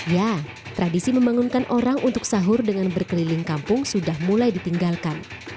ya tradisi membangunkan orang untuk sahur dengan berkeliling kampung sudah mulai ditinggalkan